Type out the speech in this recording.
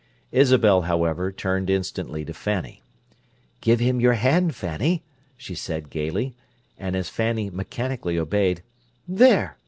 Isabel, however, turned instantly to Fanny. "Give him your hand, Fanny," she said gayly; and, as Fanny mechanically obeyed, "There!"